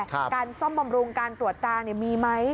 การซ่อมบำรุงการตรวจตามีไหม